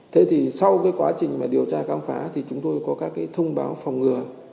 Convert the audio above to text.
thế thì sau cái quá trình mà điều tra khám phá thì chúng tôi có các cái thông báo phòng ngừa